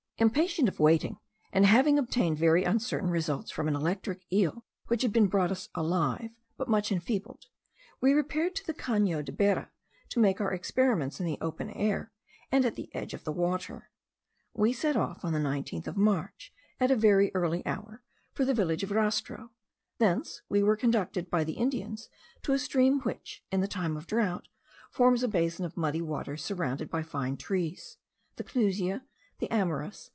Impatient of waiting, and having obtained very uncertain results from an electric eel which had been brought to us alive, but much enfeebled, we repaired to the Cano de Bera, to make our experiments in the open air, and at the edge of the water. We set off on the 19th of March, at a very early hour, for the village of Rastro; thence we were conducted by the Indians to a stream, which, in the time of drought, forms a basin of muddy water, surrounded by fine trees,* (* Amyris lateriflora, A.